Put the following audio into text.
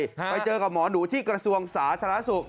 ไปเจอกับหมอหนูที่กระทรวงสาธารณสุข